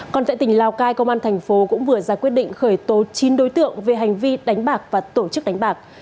còn tại tỉnh lào cai công an thành phố cũng vừa ra quyết định khởi tố chín đối tượng về hành vi đánh bạc và tổ chức đánh bạc